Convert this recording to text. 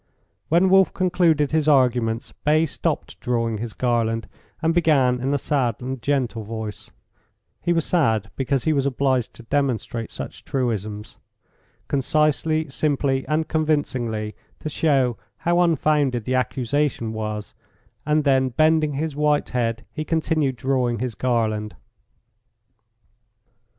When Wolf concluded his arguments Bay stopped drawing his garland and began in a sad and gentle voice (he was sad because he was obliged to demonstrate such truisms) concisely, simply and convincingly to show how unfounded the accusation was, and then, bending his white head, he continued drawing his garland.